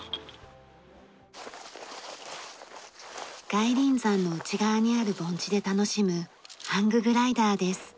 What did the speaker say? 外輪山の内側にある盆地で楽しむハンググライダーです。